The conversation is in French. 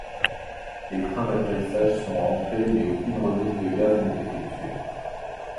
Les trains d'atterrissage sont rentrés mais aucune remise de gaz n'est effectuée.